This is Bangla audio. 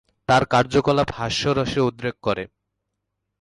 তার কার্যকলাপ হাস্যরসের উদ্রেক করে।